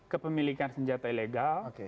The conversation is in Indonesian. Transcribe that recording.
kepemilikan senjata ilegal